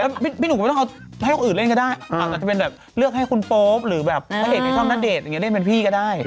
อันนี้แหละเอาหลังคอร์คคือพี่หนุ่มไม่ต้องเข้าเดชไปเผื่อตัวชีวิตหรอกครับแต่ลึกให้คุณโป๊ปใช้คนเดชให้เขินเป็นพี่ก็พี่ภาพ